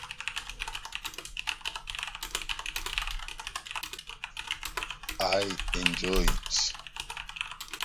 I enjoy it!